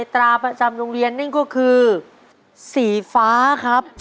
ถ้าถูกข้อนี้นะครับ